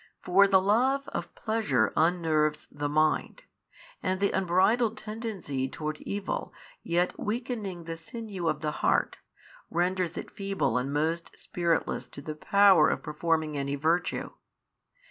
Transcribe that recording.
For the love of pleasure unnerves the mind, and the unbridled tendency towards evil yet weakening the sinew of the heart, renders it feeble and most spiritless to the power of performing any virtue.